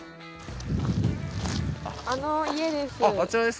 あの家です。